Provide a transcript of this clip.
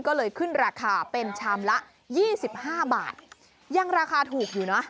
ก็เลยขึ้นราคาเป็นชามละยี่สิบห้าบาทยังราคาถูกอยู่นะ